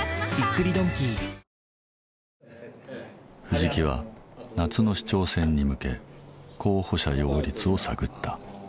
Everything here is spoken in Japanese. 藤木は夏の市長選に向け候補者擁立を探った。